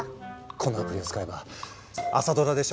このアプリを使えば朝ドラでしょ？